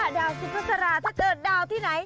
ดาวสุภาษาถ้าเกิดดาวที่ไหน